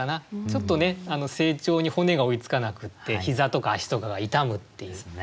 ちょっとね成長に骨が追いつかなくって膝とか足とかが痛むっていう。